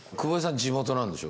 地元なんでしょ。